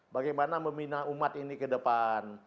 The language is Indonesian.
bagaimana meminah umat ini ke depan